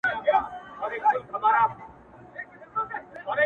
هره شېبه درس د قربانۍ لري -